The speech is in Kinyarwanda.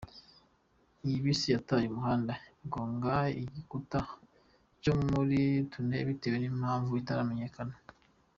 Iyi bisi yataye umuhanda igonga igikuta cyo muri iyo tunnel bitewe n’impamvu itaramenyekana.